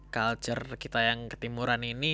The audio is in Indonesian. culture kita yang ketimuran ini